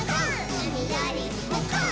うみよりむこう！？」